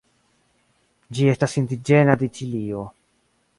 Ĝi estas indiĝena de Ĉilio.